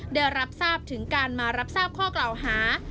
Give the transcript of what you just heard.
ได้รับทราบถึงการมารับทราบข้อกล่าวหา